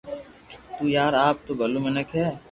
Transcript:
تو يار آپ تو ڀلو منيک ھي